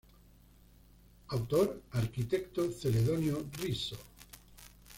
Autor: arquitecto Celedonio Risso.